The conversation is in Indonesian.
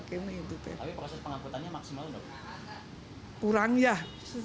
tapi proses pengangkutannya maksimal